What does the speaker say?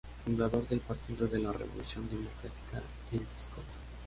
Fundador del Partido de la Revolución Democrática en Texcoco.